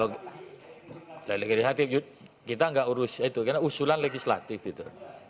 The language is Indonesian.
ya kalau legislatif kita enggak urus itu karena usulan legislatif gitu